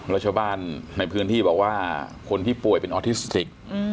แล้วชาวบ้านในพื้นที่บอกว่าคนที่ป่วยเป็นออทิสติก